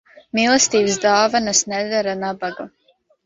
Mīlestības dāvanas nedara nabagu.